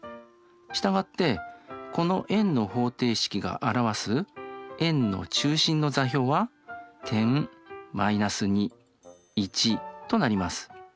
従ってこの円の方程式が表す円の中心の座標は点となります。